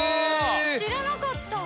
知らなかった！